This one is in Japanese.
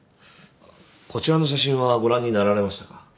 こちらの写真はご覧になられましたか？